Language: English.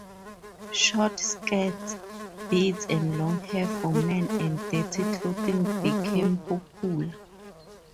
Short skirts, beards and long hair for men, and dirty clothing became popular.